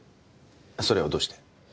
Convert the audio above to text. それはどうして？